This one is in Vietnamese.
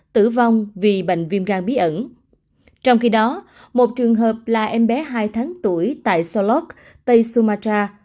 trong khi đó một trường hợp là em bé hai tháng tuổi tại solok tây sumatra